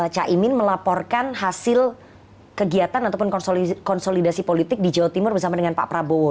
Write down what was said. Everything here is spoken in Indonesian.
caimin melaporkan hasil kegiatan ataupun konsolidasi politik di jawa timur bersama dengan pak prabowo